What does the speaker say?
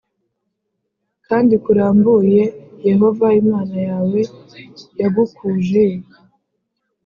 kandi kurambuye Yehova Imana yawe yagukujeyo.